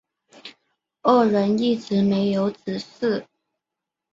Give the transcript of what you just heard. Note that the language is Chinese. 二人一直没有子嗣。